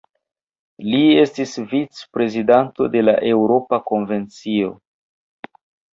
Li estis vicprezidanto de la Eŭropa Konvencio.